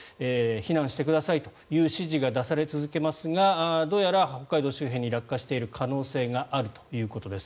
避難してくださいという指示が出され続けますがどうやら北海道周辺に落下している可能性があるということです。